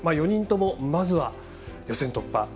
４人とも、まずは予選突破。